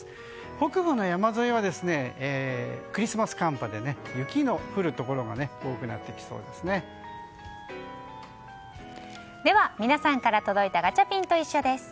北部の山沿いはクリスマス寒波で雪の降るところが多くなってきそうですね。